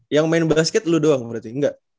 yang main basket lu doang berarti enggak